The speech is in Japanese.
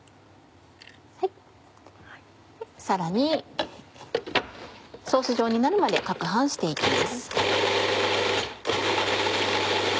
さらにソース状になるまで攪拌して行きます。